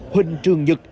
huỳnh trường nhật